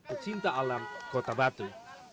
pecinta alam kota batu